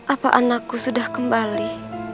apa anakku sudah kembali